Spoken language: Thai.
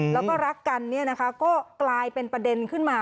แล้วก็รักกันเนี่ยนะคะก็กลายเป็นประเด็นขึ้นมา